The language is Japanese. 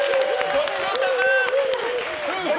ごちそうさま！